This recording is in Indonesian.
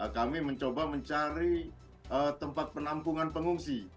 kami mencoba mencari tempat penampungan pengungsi